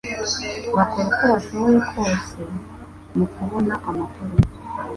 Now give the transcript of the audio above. bakora uko bashoboye kose mu kubona amakuru